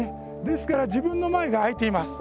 ですから自分の前が空いています。